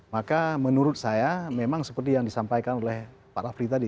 maka menurut saya memang seperti yang disampaikan oleh pak rafli tadi